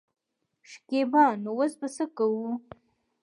شکيبا : نو اوس به څه کوو.